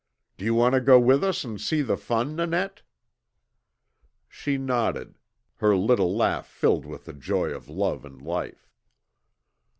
Do you want to go with us and see the fun, Nanette?" She nodded, her little laugh filled with the joy of love and life.